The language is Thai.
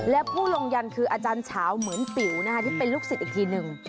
และผู้ลงยันคืออาจารย์เฉาเหมือนปิ๋วที่เป็นลูกศิษย์อีกทีหนึ่ง